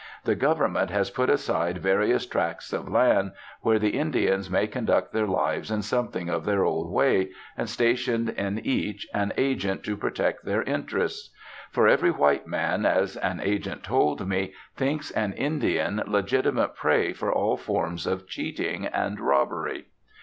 The Government has put aside various tracts of land where the Indians may conduct their lives in something of their old way, and stationed in each an agent to protect their interests. For every white man, as an agent told me, "thinks an Indian legitimate prey for all forms of cheating and robbery."